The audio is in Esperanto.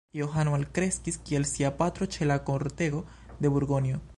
Johano alkreskis kiel sia patro ĉe la kortego de Burgonjo.